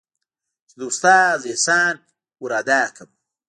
چې د استاد احسان ورادا کړم.